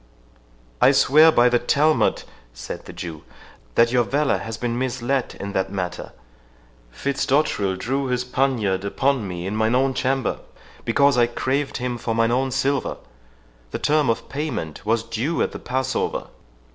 "I swear by the Talmud," said the Jew, "that your valour has been misled in that matter. Fitzdotterel drew his poniard upon me in mine own chamber, because I craved him for mine own silver. The term of payment was due at the Passover."